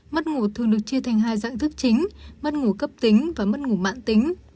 mất ngủ thường được chia thành hai dạng thức chính mất ngủ cấp tính và mất ngủ mạng tính